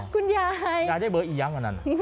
คุณยายยายได้เบอร์อีกยังอันนั้น